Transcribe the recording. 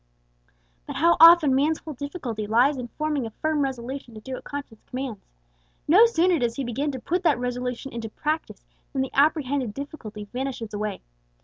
But how often man's whole difficulty lies in forming a firm resolution to do what conscience commands. No sooner does he begin to put that resolution into practice than the apprehended difficulty vanishes away!